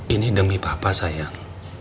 ini demi papa sayang